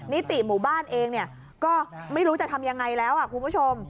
นิติหมู่บ้านเองก็ไม่รู้จะทำยังไงแล้วคุณผู้ชม